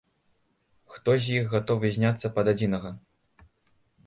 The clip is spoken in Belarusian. Хто з іх гатовы зняцца пад адзінага?